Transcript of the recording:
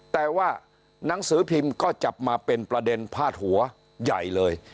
แต่ว่าหนังสือพิมพ์ก็จับมาเป็นประเด็นพาดหัวใหญ่เลย